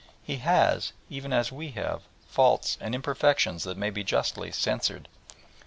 He has, even as we have, faults and imperfections that may be justly censured.